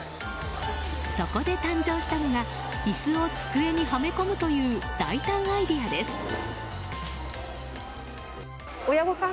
そこで誕生したのが椅子を机にはめ込むという大胆アイデアです。